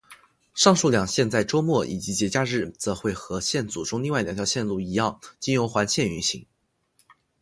上述两线在周末以及节假日则会和线组中另外两条线路一样经由环线运行。